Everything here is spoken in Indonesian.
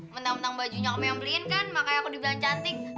mentang mentang bajunya kamu yang beliin kan makanya aku dibilang cantik